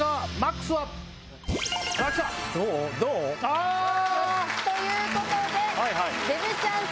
あ！ということで。